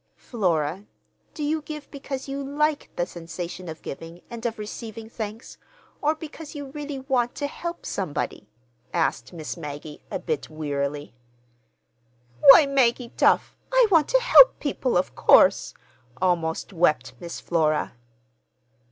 "Flora, do you give because you like the sensation of giving, and of receiving thanks, or because you really want to help somebody?" asked Miss Maggie, a bit wearily. "Why, Maggie Duff, I want to help people, of course," almost wept Miss Flora.